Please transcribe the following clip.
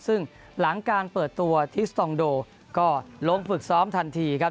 ซึ่งหลังการเปิดตัวทิสตองโดก็ลงฝึกซ้อมทันทีครับ